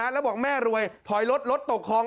แล้วบอกแม่รวยถอยรถรถตกคลอง